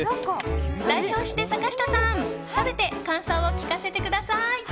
代表して坂下さん食べて感想を聞かせてください。